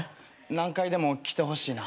何回でも来てほしいな。